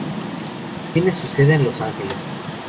Tiene su sede en Los Ángeles.